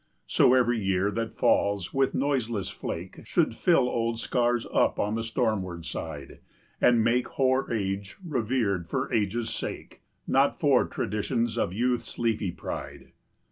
So every year that falls with noiseless flake Should fill old scars up on the stormward side, 30 And make hoar age revered for age's sake, Not for traditions of youth's leafy pride.